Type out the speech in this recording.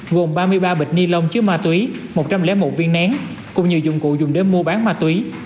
gồm ba mươi ba bịch ni lông chứa ma túy một trăm linh một viên nén cùng nhiều dụng cụ dùng để mua bán ma túy